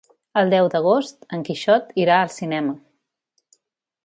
El deu d'agost en Quixot irà al cinema.